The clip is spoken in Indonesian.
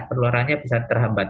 penularannya bisa terhambat